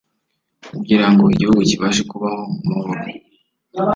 kugirango igihugu kibashye kubaho mu mahoro